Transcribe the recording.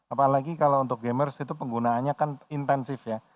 apalagi kalau untuk gamers itu penggunaannya kan intensif ya